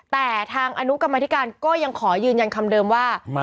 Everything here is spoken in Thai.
แต่ทางอนุกรรมธิการก็ยังขอยืนยันคำเดิมว่า